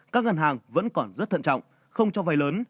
các ngân hàng vẫn còn rất thận trọng không cho vay lớn